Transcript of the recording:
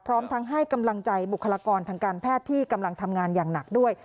พร้อมทั้งให้กำลังใจบุคลากรทางการแพทย์ที่กำลังทำงานอย่างหนักด้วย